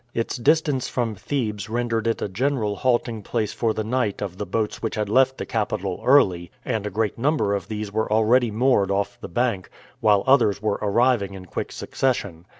Its distance from Thebes rendered it a general halting place for the night of the boats which had left the capital early, and a great number of these were already moored off the bank, while others were arriving in quick succession.